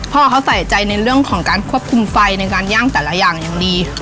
พ่อเขาใส่ใจในเรื่องของการควบคุมไฟในการย่างแต่ละอย่างอย่างดี